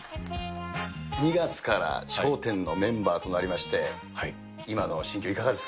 ２月から笑点のメンバーとなりまして、今の心境、いかがです